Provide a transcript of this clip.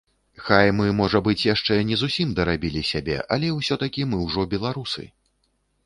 Хай мы, можа быць, яшчэ не зусім дарабілі сябе, але ўсё-такі мы ўжо беларусы.